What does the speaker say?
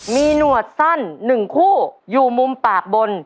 มีหนวดสั้น๑คู่อยู่มุมปากบน